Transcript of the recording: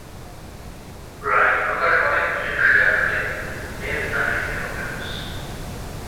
Brian প্রকাশ করেন যে সে আসলে ডেভ নামের একটি অক্টোপাস।